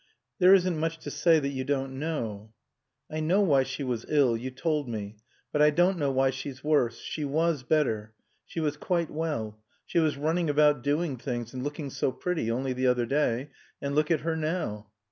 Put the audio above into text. "There isn't much to say that you don't know " "I know why she was ill. You told me. But I don't know why she's worse. She was better. She was quite well. She was running about doing things and looking so pretty only the other day. And look at her now."